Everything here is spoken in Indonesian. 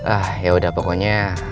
ah yaudah pokoknya